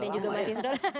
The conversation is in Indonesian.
dan juga masi snur